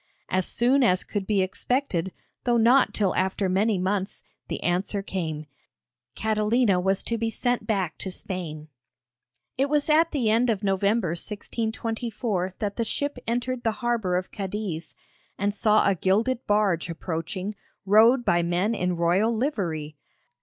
As soon as could be expected, though not till after many months, the answer came: Catalina was to be sent back to Spain. It was at the end of November 1624 that the ship entered the harbour of Cadiz, and saw a gilded barge approaching, rowed by men in royal livery.